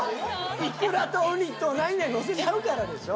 イクラとウニと何々のせちゃうからでしょ。